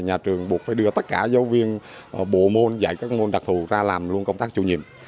nhà trường buộc phải đưa tất cả giáo viên bộ môn dạy các môn đặc thù ra làm luôn công tác chủ nhiệm